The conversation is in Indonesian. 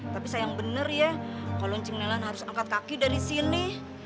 tapi sayang bener ya coluncing nelan harus angkat kaki dari sini